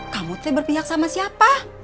kamu tidak berpihak sama siapa